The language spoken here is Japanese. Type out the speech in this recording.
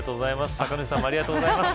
酒主さんもありがとうございます。